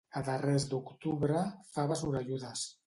A darrers d'octubre, faves orelludes.